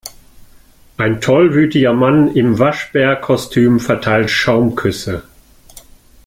Ein tollwütiger Mann in Waschbärkostüm verteilt Schaumküsse.